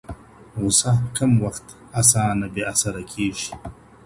غصه کوم وخت اسانه بي اثره کيږي؟